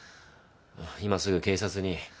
今すぐ警察に。